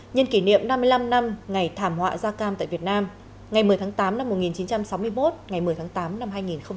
nhân kỷ niệm năm mươi năm năm ngày thảm họa da cam tại việt nam ngày một mươi tháng tám năm một nghìn chín trăm sáu mươi một ngày một mươi tháng tám năm hai nghìn hai mươi